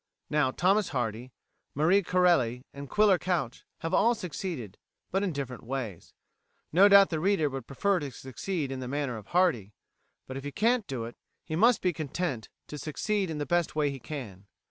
Now Thomas Hardy, Marie Corelli, and Quiller Couch have all succeeded, but in different ways. No doubt the reader would prefer to succeed in the manner of Hardy, but if he can't do it, he must be content to succeed in the best way he can.